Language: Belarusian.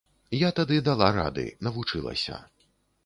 Я тады дала рады, навучылася.